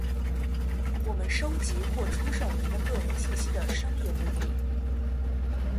我们收集或出售您的个人信息的商业目的；